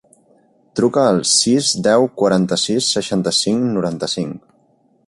Truca al sis, deu, quaranta-sis, seixanta-cinc, noranta-cinc.